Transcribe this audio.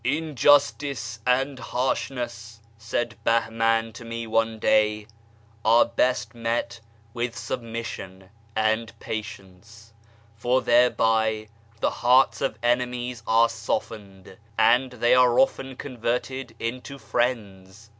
" Injustice and harsh ness," said Bahman to me one day, " are Lest met with sub mission and patience, for thereby the hearts of enemies are softened, and they are often converted into friends.